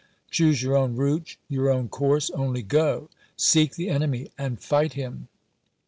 Choose your own route, your own course, only go ; seek the enemy, and fight him.